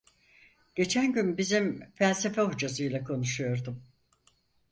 Geçen gün bizim felsefe hocasıyla konuşuyordum.